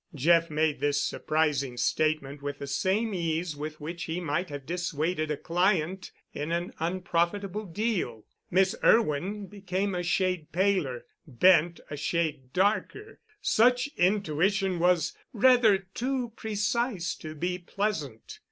Jeff made this surprising statement with the same ease with which he might have dissuaded a client in an unprofitable deal. Miss Irwin became a shade paler, Bent a shade darker. Such intuition was rather too precise to be pleasant.